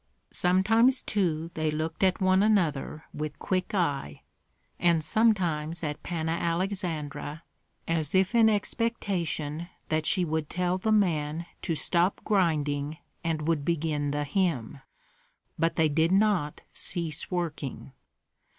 Sometimes, too, they looked at one another with quick eye, and sometimes at Panna Aleksandra, as if in expectation that she would tell the man to stop grinding, and would begin the hymn; but they did not cease working.